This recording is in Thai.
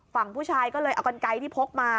ฝั่งผู้ชายก็เลยเอากันไกลที่พกมา